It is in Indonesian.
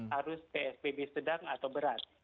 harus psbb sedang atau berat